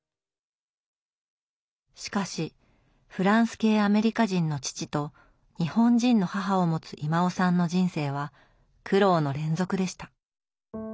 しかしフランス系アメリカ人の父と日本人の母を持つ威馬雄さんの人生は苦労の連続でした。